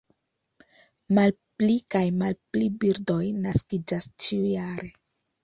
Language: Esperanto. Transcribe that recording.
Malpli kaj malpli birdoj naskiĝas ĉiujare.